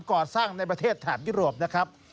ก่อนสร้างในประเทศนทรัพยุทธ์นะครับ